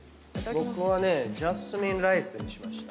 僕はねジャスミンライスにしました。